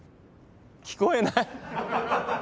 聞こえない。